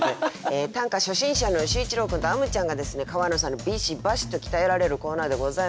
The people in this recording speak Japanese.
短歌初心者の秀一郎君とあむちゃんがですね川野さんにビシバシと鍛えられるコーナーでございます。